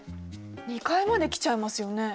２階まで来ちゃいますよね。